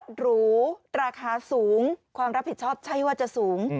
หรูราคาสูงความรับผิดชอบใช่ว่าจะสูง